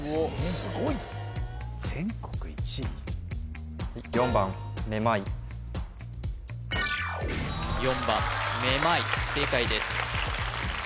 すごいな全国１位４番めまい正解です